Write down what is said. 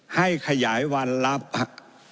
ให้ขยายวันรับฮะ